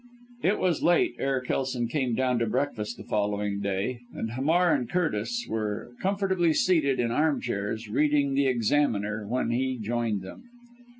It was late ere Kelson came down to breakfast the following day, and Hamar and Curtis were comfortably seated in armchairs reading the Examiner, when he joined them.